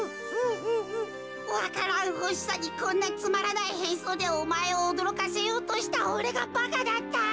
わか蘭ほしさにこんなつまらないへんそうでおまえをおどろかせようとしたおれがばかだった。